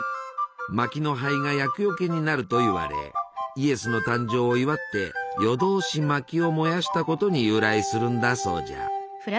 まきの灰が厄よけになるといわれイエスの誕生を祝って夜通しまきを燃やしたことに由来するんだそうじゃ。